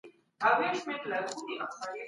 تاسي په نېکو اعمالو کي یاست.